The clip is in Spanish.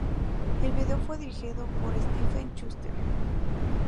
El video fue dirigido por Stephen Schuster.